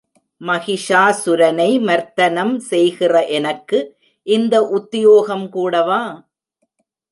மகிஷாசுரனை மர்த்தனம் செய்கிற எனக்கு இந்த உத்தியோகம் கூடவா?